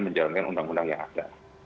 menjalankan undang undang yang ada